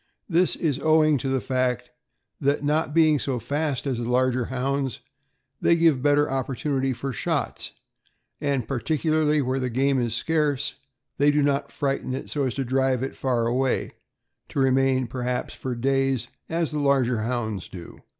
This is owing to the fact that, not being so fast as the larger Hounds, they give better opportunity for shots, and, par ticularly where the game is scarce, they do not frighten it so as to drive it far away, to remain perhaps for days, as the larger Hounds do.